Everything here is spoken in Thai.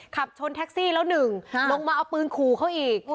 ขับชนแท็กซี่แล้วหนึ่งลงมาเอาปืนขู่เขาอีก